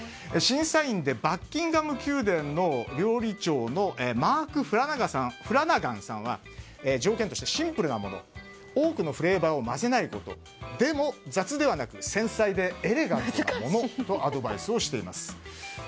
審査員でバッキンガム宮殿の料理長のマーク・フラナガンさんは条件としてシンプルなもの多くのフレーバーを混ぜないことでも、雑ではなく繊細でエレガントなものとアドバイスをしています。